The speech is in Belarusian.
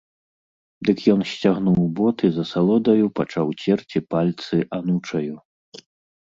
Дык ён сцягнуў бот і з асалодаю пачаў церці пальцы анучаю.